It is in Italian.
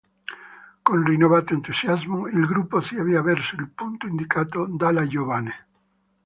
Con rinnovato entusiasmo, il gruppo si avvia verso il punto indicato dalla giovane.